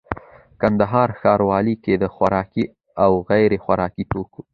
کندهار ښاروالي کي د خوراکي او غیري خوراکي توکو